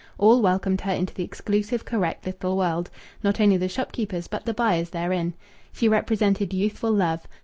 All welcomed her into the exclusive, correct little world not only the shopkeepers but the buyers therein. She represented youthful love.